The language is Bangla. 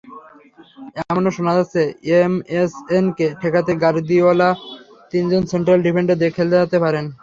এমনও শোনা যাচ্ছে, এমএসএনকে ঠেকাতে গার্দিওলা তিনজন সেন্ট্রাল ডিফেন্ডার খেলাতে পারেন।